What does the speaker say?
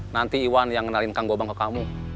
nanti iwan yang kenalin kang gobang ke kamu